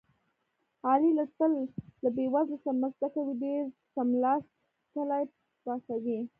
علي له تل له بې وزلو سره مرسته کوي. ډېر څملاستلي پاڅوي.